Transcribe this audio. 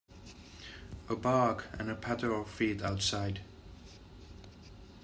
A bark and a patter of feet outside.